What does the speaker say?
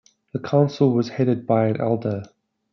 The council was headed by an elder.